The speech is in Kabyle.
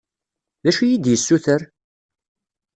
D acu i yi-d-yessuter?